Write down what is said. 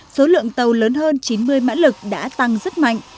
số lượng tàu lớn hơn chín mươi mã lực đã tăng rất mạnh